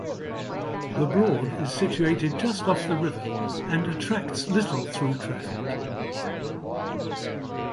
The broad is situated just off the river and attracts little through traffic.